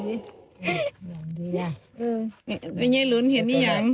มิงุ่ยลุ้นเห็นนี่อย่าง